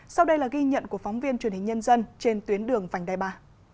sau đây là ghi nhận của phóng viên truyền hình nhân dân trên tuyến đường vành đai ba